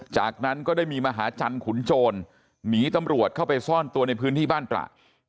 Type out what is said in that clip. จากนั้นก็ได้มีมหาจันทร์ขุนโจรหนีตำรวจเข้าไปซ่อนตัวในพื้นที่บ้านตระ